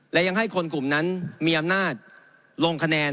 และยังให้คนกลุ่มนั้นมีอำนาจลงคะแนน